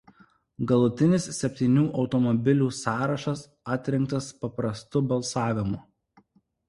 Galutinis septynių automobilių sąrašas atrinktas paprastu balsavimu.